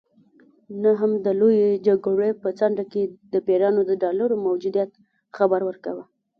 نه هم د لویې جرګې په څنډه کې پیریانو د ډالرو موجودیت خبر ورکاوه.